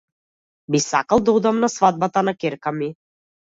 Би сакал да одам на свадбата на ќерка ми.